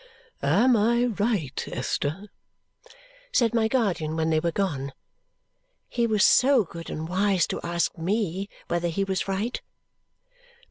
"Am I right, Esther?" said my guardian when they were gone. He was so good and wise to ask ME whether he was right!